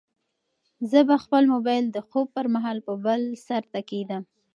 زه به خپل موبایل د خوب پر مهال په بل سرته کېږدم.